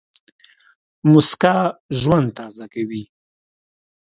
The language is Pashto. موسکا ژوند تازه کوي.